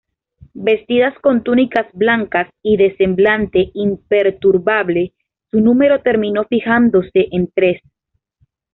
Vestidas con túnicas blancas y de semblante imperturbable, su número terminó fijándose en tres.